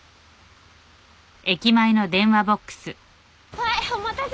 はいお待たせ。